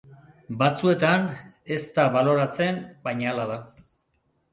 Batzuetan ez da baloratzen, baina hala da.